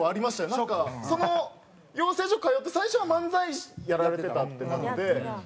なんかその養成所通って最初は漫才やられてたってなって。